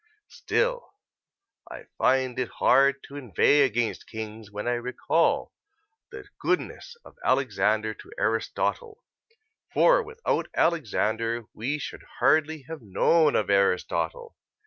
Still I find it hard to inveigh against kings when I recall the goodness of Alexander to Aristotle, for without Alexander we should hardly have known of Aristotle.